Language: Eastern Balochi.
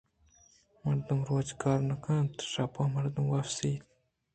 مردم روچ ءَ کار کن اَنت ءُ شپ ءَ مردم وپس اَنت